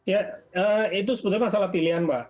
ya itu sebetulnya masalah pilihan mbak